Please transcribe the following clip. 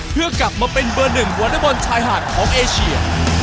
เพื่อกลับมาเป็นเบอร์หนึ่งวอเตอร์บอลชายหาดของเอเชีย